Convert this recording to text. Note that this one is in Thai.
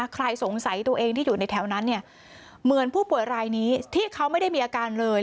ใครสงสัยตัวเองที่อยู่ในแถวนั้นเนี่ยเหมือนผู้ป่วยรายนี้ที่เขาไม่ได้มีอาการเลย